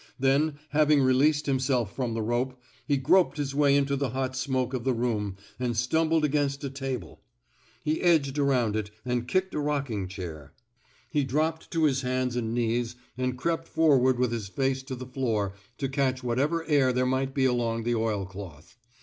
Then, having released himself from the rope, he groped his way into the hot smoke of the room and stumbled against a table. He 189 THE SMOKE EATERS edged around it and kicked a rocking cliait. He dropped to his hands and knees and crept forward with his face to the floor to catch whatever air there might be along the oil cloth.